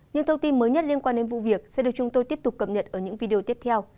những thông tin mới nhất liên quan đến vụ việc sẽ được chúng tôi tiếp tục cập nhật ở những video tiếp theo